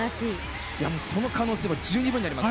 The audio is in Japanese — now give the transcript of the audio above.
その可能性は十二分にあります。